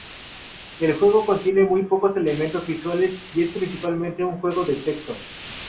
El juego contiene muy pocos elementos visuales y es principalmente un juego de texto.